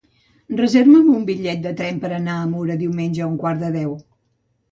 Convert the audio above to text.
Reserva'm un bitllet de tren per anar a Mura diumenge a un quart de deu.